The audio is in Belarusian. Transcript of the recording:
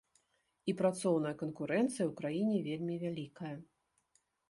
І працоўная канкурэнцыя ў краіне вельмі вялікая.